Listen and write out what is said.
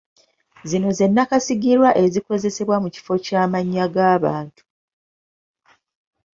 Zino ze nakasigirwa ezikozesebwa mu kifo ky'amannya ag'abantu